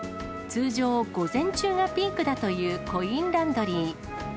通常、午前中がピークだというコインランドリー。